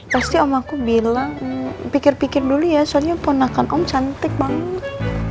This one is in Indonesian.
pasti om aku bilang pikir pikir dulu ya soalnya ponakan om cantik banget